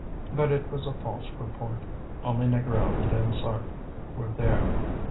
But it was a false report; only Négrel and Dansaert were there.